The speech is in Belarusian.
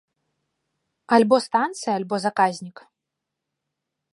Альбо станцыя, альбо заказнік.